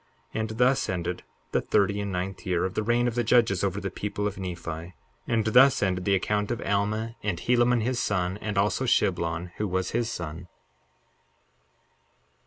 63:16 And thus ended the thirty and ninth year of the reign of the judges over the people of Nephi. 63:17 And thus ended the account of Alma, and Helaman his son, and also Shiblon, who was his son.